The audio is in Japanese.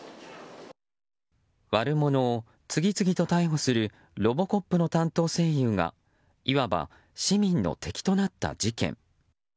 悪者を次々と逮捕する「ロボコップ」の担当声優がいわば市民の敵となった事件。